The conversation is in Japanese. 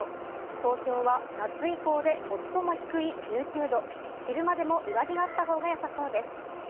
東京は夏以降で最も低い１９度昼間でも上着があったほうが良さそうです。